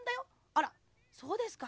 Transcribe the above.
あらそうですか。